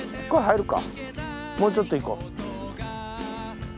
もうちょっと行こう。